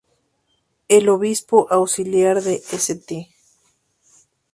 El obispo auxiliar de St.